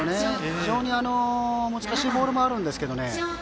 非常に難しいボールもあるんですけどね。